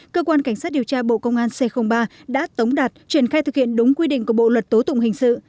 cơ quan cảnh sát điều tra bộ công an c ba đã tống đạt triển khai thực hiện đúng quy định của bộ luật tố tụng hình sự